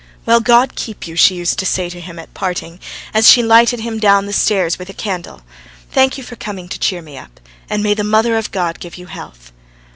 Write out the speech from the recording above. "Well, God keep you," she used to say to him at parting, as she lighted him down the stairs with a candle. "Thank you for coming to cheer me up, and may the Mother of God give you health."